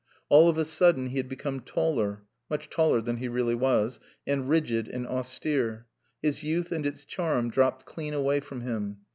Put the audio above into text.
All of a sudden he had become taller (much taller than he really was) and rigid and austere. His youth and its charm dropped clean away from him.